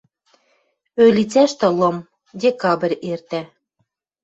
Ӧлицӓштӹ лым. Декабрь эртӓ.